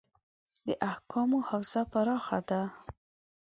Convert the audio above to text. د احکامو حوزه پراخه ده.